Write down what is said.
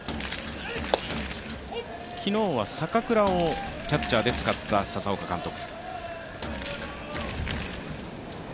昨日は坂倉をキャッチャーで使った佐々岡監督。